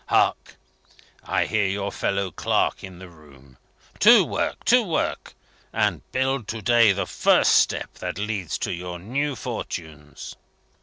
Hark! I hear your fellow clerk in the office. To work! to work! and build to day the first step that leads to your new fortunes!"